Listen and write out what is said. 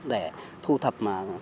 để thu thập